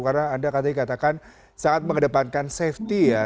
karena anda katanya katakan sangat mengedepankan safety ya